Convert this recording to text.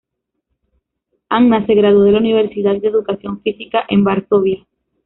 Anna se graduó de la Universidad de Educación Física en Varsovia.